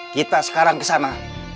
kita sekarang kesana